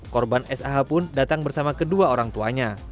korban sah pun datang bersama kedua orang tuanya